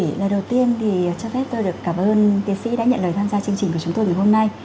thời gian đầu tiên thì cho phép tôi được cảm ơn tuyến sĩ đã nhận lời tham gia chương trình của chúng tôi ngày hôm nay